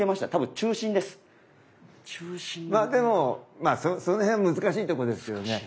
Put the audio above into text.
まあでもその辺難しいとこですよね。